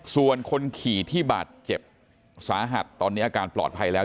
ส่วนคนขี่ที่บาดเจ็บสาหัสตอนนี้อาการปลอดภัยแล้ว